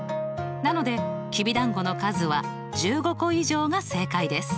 なのできびだんごの数は１５個以上が正解です。